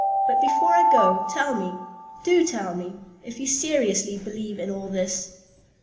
But before I go, tell me—do tell me—if you seriously believe in all this?"